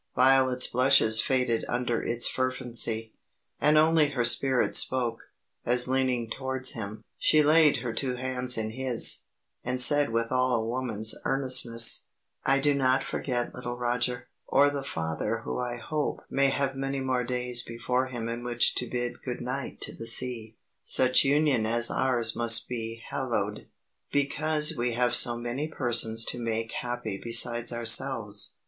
Violet's blushes faded under its fervency, and only her spirit spoke, as leaning towards him, she laid her two hands in his, and said with all a woman's earnestness: "I do not forget little Roger, or the father who I hope may have many more days before him in which to bid good night to the sea. Such union as ours must be hallowed, because we have so many persons to make happy besides ourselves."